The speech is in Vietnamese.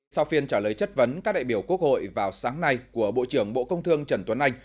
sau phiên trả lời chất vấn các đại biểu quốc hội vào sáng nay của bộ trưởng bộ công thương trần tuấn anh